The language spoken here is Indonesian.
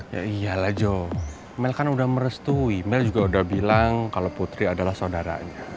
ya iyalah jo mel kan udah merestui mel juga udah bilang kalau putri adalah saudaranya